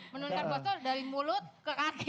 menurunkan botol dari mulut ke kaki